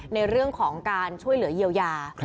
ในเรื่องของการช่วยเหลือเยียวยา